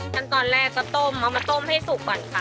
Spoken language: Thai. ขั้นตอนแรกก็ต้มเอามาต้มให้สุกก่อนค่ะ